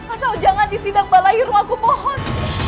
asal jangan disidang balai ruangku bohon